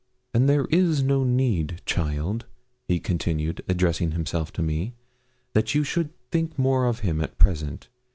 'And there is no need, child,' he continued, addressing himself to me, 'that you should think more of him at present.